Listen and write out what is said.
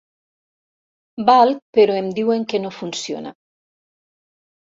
Valc però em diuen que no funciona.